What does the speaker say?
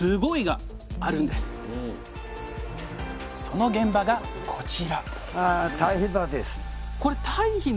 その現場がこちら！